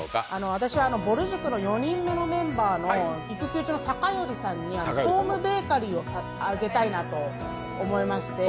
ぼる塾の４人目のメンバーの育休中の酒寄さんにホームベーカリーをあげたいなと思いまして。